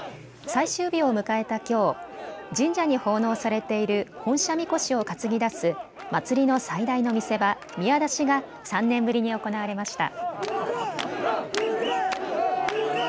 最終日を迎えたきょう、神社に奉納されている本社神輿を担ぎ出す祭りの最大の見せ場、宮出しが３年ぶりに行われました。